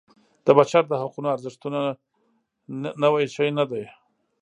د بشر د حقونو ارزښتونه نوی شی نه دی.